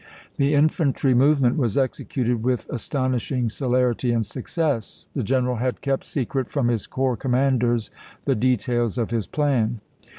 The infantry movement was executed with as tonishing celerity and success. The general had kept secret from his corps commanders the de tails of his plan.